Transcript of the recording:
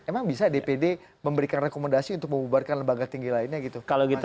emang bisa dpd memberikan rekomendasi untuk membubarkan lembaga tinggi lainnya gitu